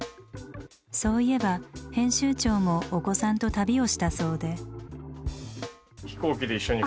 そういえば編集長もお子さんと旅をしたそうで。